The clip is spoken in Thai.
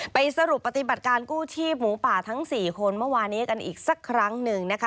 ไปสรุปปฏิบัติการกู้ชีพหมูป่าทั้ง๔คนเมื่อวานี้กันอีกสักครั้งหนึ่งนะคะ